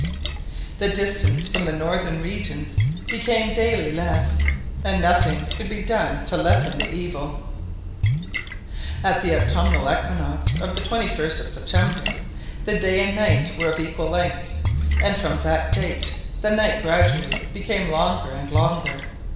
The distance from the northern regions became daily less, and nothing could be done to lessen the evil. At the autumnal equinox on the 21st of September, the day and night were of equal length, and from that date the night gradually became longer and longer.